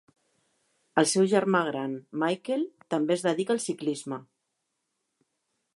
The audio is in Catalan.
El seu germà gran Michael també es dedica al ciclisme.